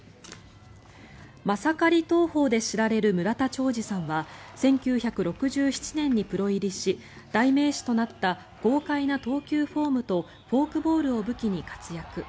マサカリ投法で知られる村田兆治さんは１９６７年にプロ入りし代名詞となった豪快な投球フォームとフォークボールを武器に活躍。